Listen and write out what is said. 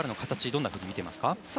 どんなふうに見ていますか。